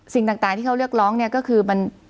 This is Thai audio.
สิ่งต่างที่เขาเลียกร้องก็คือ